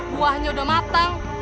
buahnya udah matang